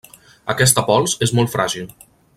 Aquesta pols és molt fràgil.